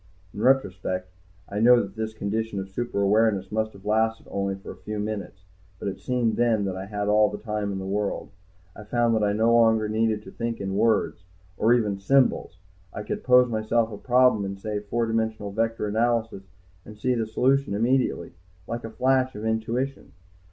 In retrospect I know that this condition of super awareness must have lasted only for a few minutes. But it seemed then that I had all the time in the world. I found that I no longer needed to think in words, or even symbols. I could pose myself a problem in, say, four dimensional vector analysis and see the solution immediately, like a flash of intuition.